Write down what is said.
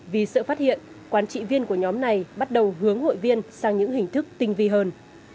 vì sợ phát hiện quán trị viên của nhóm này bắt đầu hướng hội viên sang những hình thức tinh vi hơn